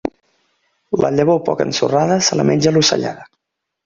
La llavor poc ensorrada, se la menja l'ocellada.